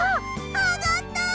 あがった！